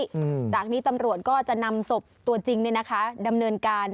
จากนี้ตำรวจก็จะนำสบตัวจริงนำเนินการ